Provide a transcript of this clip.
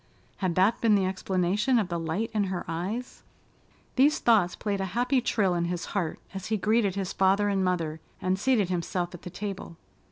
Had that been the explanation of the light in her eyes? These thoughts played a happy trill in his heart as he greeted his father and mother and seated himself at the table.